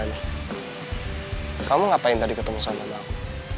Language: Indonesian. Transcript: aku penasaran kamu ngapain tadi ketemu sama mama aku